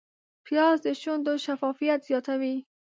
پیاز د شونډو شفافیت زیاتوي